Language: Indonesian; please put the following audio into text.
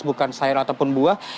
bukan sayur ataupun buah